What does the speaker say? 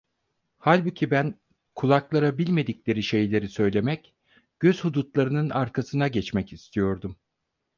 Halbuki ben, kulaklara bilmedikleri şeyleri söylemek, göz hudutlarının arkasına geçmek istiyordum.